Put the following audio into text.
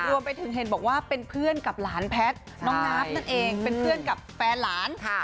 รวมไปถึงเห็นบอกว่าเป็นเพื่อนกับหลานแพทย์น้องนาฟนั่นเองเป็นเพื่อนกับแฟนหลาน